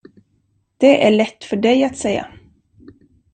Det är lätt för dig att säga.